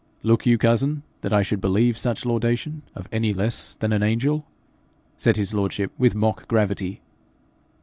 'Look you, cousin, that I should believe such laudation of any less than an angel?' said his lordship with mock gravity.